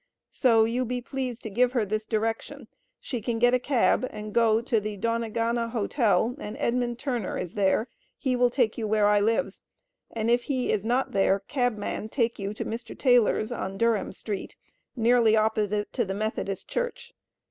So you be please to give her this direction, she can get a cab and go to the Donegana Hotel and Edmund Turner is there he will take you where I lives and if he is not there cabman take you to Mr Taylors on Durham St. nearly opposite to the Methodist Church.